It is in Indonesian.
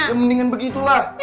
ya mendingan begitu lah